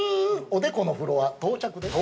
おでこのフロア、到着です。